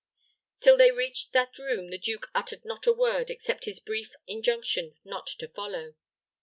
Till they reached that room the duke uttered not a word, except his brief injunction not to follow.